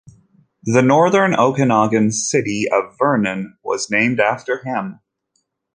The northern Okanagan city of Vernon was named after him.